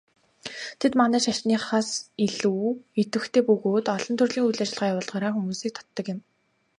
Тэд манай шашныхаас илүү идэвхтэй бөгөөд олон төрлийн үйл ажиллагаа явуулдгаараа хүмүүсийг татдаг юм.